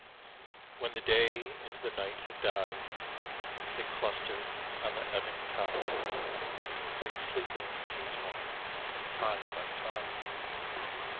When the day into the night had died They clustered on the ebbing tide, Like sleeping sea swans, side by side.